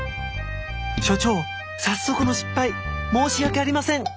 所長早速の失敗申し訳ありません！